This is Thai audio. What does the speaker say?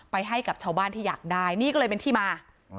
ให้กับชาวบ้านที่อยากได้นี่ก็เลยเป็นที่มา